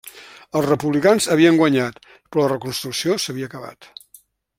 Els republicans havien guanyat, però la Reconstrucció s’havia acabat.